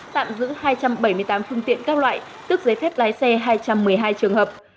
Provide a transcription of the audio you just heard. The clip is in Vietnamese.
tạm giữ hai trăm bảy mươi tám phương tiện các loại tức giấy phép lái xe hai trăm một mươi hai trường hợp